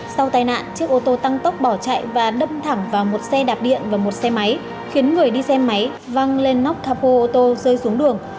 sau tai nạn chiếc ô tô tăng tốc bỏ chạy và đâm thẳng vào một xe đạp điện và một xe máy khiến người đi xe máy văng lên nóc capo ô tô rơi xuống đường